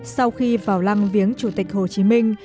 sau khi vào lăng viếng chủ tịch hồ chí minh